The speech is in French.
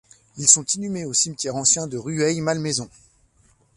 Ils sont inhumés au cimetière ancien de Rueil-Malmaison.